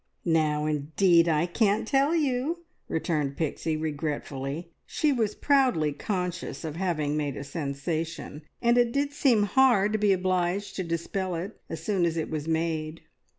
"Now indeed I can't tell you!" returned Pixie regretfully. She was proudly conscious of having made a sensation, and it did seem hard to be obliged to dispel it as soon as it was made!